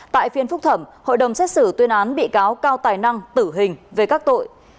tại phiên phúc thẩm hội đồng xét xử tuyên án bị cáo cao tài năng tử hình về các tội